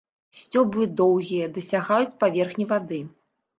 Сцёблы доўгія, дасягаюць паверхні вады.